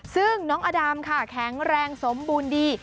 ซึ่งน้องอดำค่ะแข็งแรงสมบูรณ์ดี